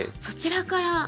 そちらから。